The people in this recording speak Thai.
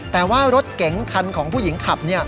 แต่ว่ารถเก๋งคันของผู้หญิงขับ